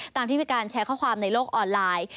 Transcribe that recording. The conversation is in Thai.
ที่มีการแชร์ข้อความในโลกออนไลน์